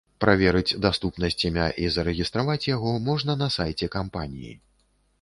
Праверыць даступнасць імя і зарэгістраваць яго можна на сайце кампаніі.